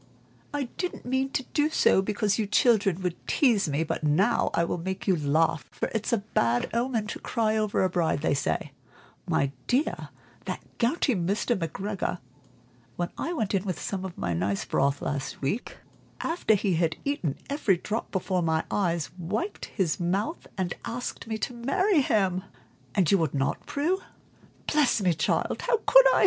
I didn't mean to do so, because you children would tease me; but now I will to make you laugh, for it's a bad omen to cry over a bride, they say. My dear, that gouty Mr. MacGregor, when I went in with some of my nice broth last week (Hugh slops so, and he's such a fidget, I took it myself), after he had eaten every drop before my eyes, wiped his mouth and asked me to marry him." "And you would not, Prue?" "Bless me, child, how could I?